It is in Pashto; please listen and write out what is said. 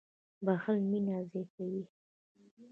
• بښل مینه زیاتوي.